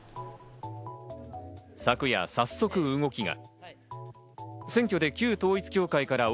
昨夜、早速動きが。